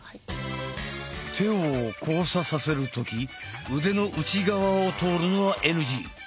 手を交差させる時腕の内側を通るのはＮＧ。